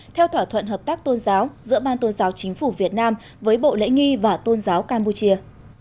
theo thỏa thuận hợp tác tôn giáo giữa ban tôn giáo chính phủ việt nam với bộ lễ nghi và tôn giáo campuchia